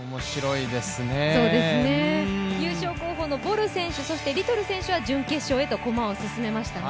優勝候補のボル選手、そしてリトル選手は準決勝へと駒を進めましたね。